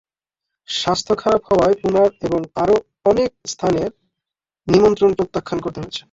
স্বাস্থ্য খারাপ হওয়ায় পুণার এবং আরও অনেক স্থানের নিমন্ত্রণ প্রত্যাখ্যান করতে হয়েছে।